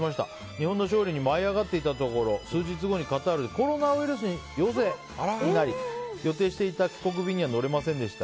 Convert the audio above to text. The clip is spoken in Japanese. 日本の勝利に舞い上がっていたところ数日後にコロナウイルスに陽性になり予定していた帰国便には乗れませんでした。